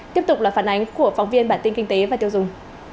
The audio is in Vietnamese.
tiếp tục là phản ánh của phóng viên bản tin kinh tế và tiêu dùng